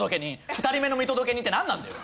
２人目の見届け人ってなんなんだよ！